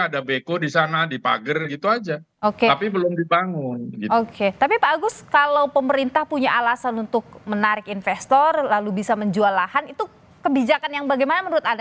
tapi pak agus kalau pemerintah punya alasan untuk menarik investor lalu bisa menjual lahan itu kebijakan yang bagaimana menurut anda